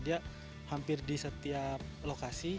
dia hampir di setiap lokasi